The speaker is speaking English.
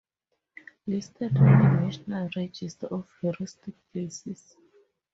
Listed on the National Register of Historic Places.